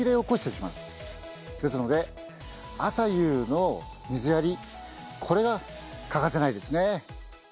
ですので朝夕の水やりこれが欠かせないですね。